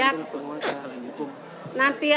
apa tentukan ganti rilis